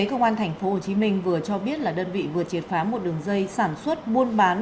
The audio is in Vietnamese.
công an tp hồ chí minh vừa cho biết là đơn vị vừa triệt phá một đường dây sản xuất muôn bán